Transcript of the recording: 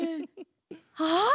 あっ！